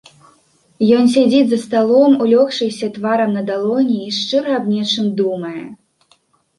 Ён сядзіць за сталом, узлёгшыся тварам на далоні, і шчыра аб нечым думае.